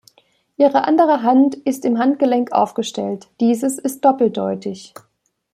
Ihre andere Hand ist im Handgelenk aufgestellt; dieses ist doppeldeutig.